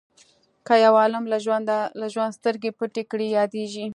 که یو عالم له ژوند سترګې پټې کړي یادیږي.